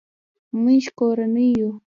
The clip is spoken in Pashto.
مونږ کورنۍ یو